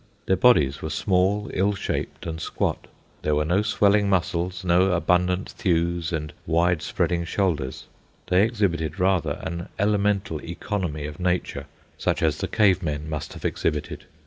Their bodies were small, ill shaped, and squat. There were no swelling muscles, no abundant thews and wide spreading shoulders. They exhibited, rather, an elemental economy of nature, such as the cave men must have exhibited.